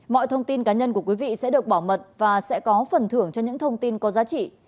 mọi thông tin cá nhân của quý vị sẽ được bảo mật và sẽ có phần thưởng cho những thông tin có giá trị